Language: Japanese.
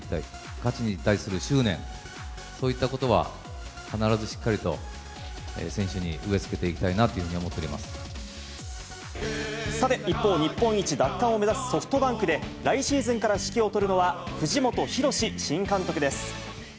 勝ちに対する執念、そういったことは、必ずしっかりと選手に植え付けていきたいなというふうに思っておさて、一方日本一奪還を目指すソフトバンクで、来シーズンから指揮を執るのは、藤本博史新監督です。